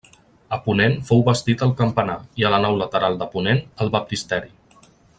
A ponent fou bastit el campanar, i a la nau lateral de ponent, el baptisteri.